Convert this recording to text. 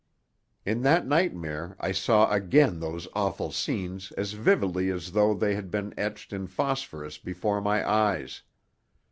In that nightmare I saw again those awful scenes as vividly as though they had been etched in phosphorus before my eyes.